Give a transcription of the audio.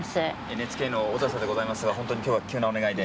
ＮＨＫの小笹でございますがほんとに今日は急なお願いで。